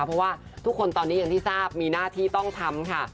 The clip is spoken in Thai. เพราะว่าทุกคนตอนนี้อย่างที่ทราบมีหน้าที่ต้องทำค่ะ